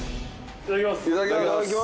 いただきます。